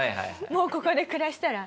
もうここで暮らしたら？